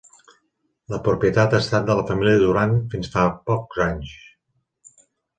La propietat ha estat de la família Duran fins fa pocs anys.